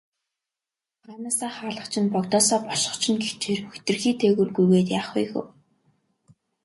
Хаанаасаа хаалгач нь, богдоосоо бошгоч нь гэгчээр хэтэрхий дээгүүр гүйгээд яах вэ хөө.